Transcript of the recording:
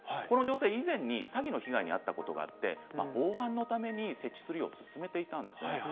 この女性は以前に詐欺の被害に遭ったことがあって防犯のために設置するよう勧めていたんです。